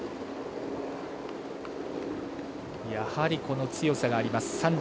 やはり強さがあります